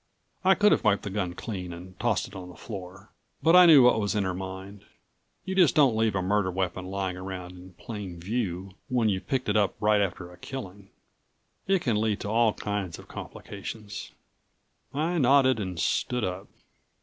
I could have wiped the gun clean and tossed it on the floor, but I knew what was in her mind. You just don't leave a murder weapon lying around in plain view when you've picked it up right after a killing. It can lead to all kinds of complications. I nodded and stood up.